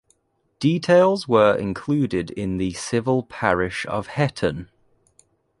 Details were included in the civil parish of Hetton.